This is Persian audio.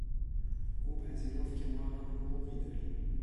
او پذیرفت که ما هم حقوقی داریم.